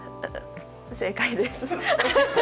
正解です。